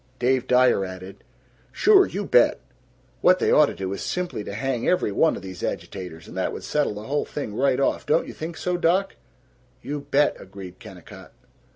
Dave Dyer added, "Sure! You bet! What they ought to do is simply to hang every one of these agitators, and that would settle the whole thing right off. Don't you think so, doc?" "You bet," agreed Kennicott.